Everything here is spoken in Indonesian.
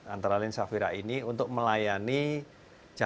antara lain safira ini untuk melayani